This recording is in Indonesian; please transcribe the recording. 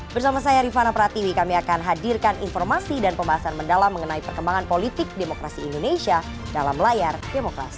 bersama saya rifana pratiwi kami akan hadirkan informasi dan pembahasan mendalam mengenai perkembangan politik demokrasi indonesia dalam layar demokrasi